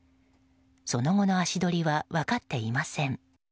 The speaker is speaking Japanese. その後の足取りは分かっていません。